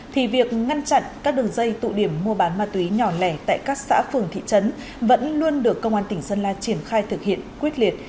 thì việc ngăn chặn các đường dây tụ điểm mua bán ma túy nhỏ lẻ tại các xã phường thị trấn vẫn luôn được công an tỉnh sơn la triển khai thực hiện quyết liệt